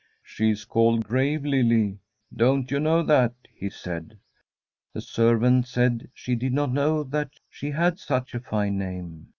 ' She is called Grave Lily — don't you know that ?' he said. The servant said she did not know that she had such a fine name.